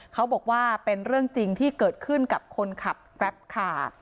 เขาบอกว่าเป็นเรื่องจริงที่เกิดขึ้นกับคนขับแกรปคาร์